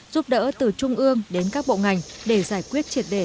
giúp đỡ từ trung ương đến các bộ ngành để giải quyết triệt đề